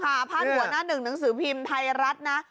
พาดหัวหน้าหนึ่งหนังสือพิมพ์ไทยรัฐนะ